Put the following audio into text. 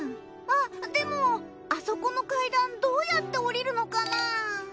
あっでもあそこの階段どうやって下りるのかな？